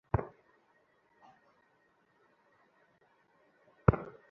তিনি ঝ্বা-লু বৌদ্ধবিহারের প্রধান পদে নির্বাচিত হন।